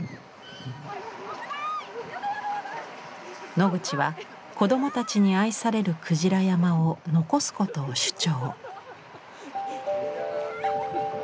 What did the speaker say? ノグチは子どもたちに愛されるクジラ山を残すことを主張。